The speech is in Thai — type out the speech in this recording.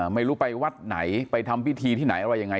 ไม่รู้ไปวัดไหนไปทำพิธีที่ไหนอะไรยังไง